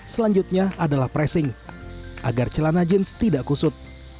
selanjutnya adalah pressing agar celana jeans tidak kusut